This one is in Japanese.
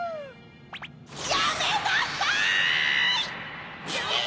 やめなさい‼ひぃ！